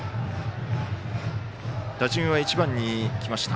打順は１番にきました。